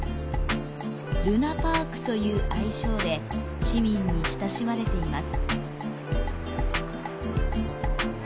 「るなぱあく」という愛称で市民に親しまれています。